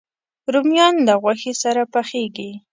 رومیان له غوښې سره پخېږي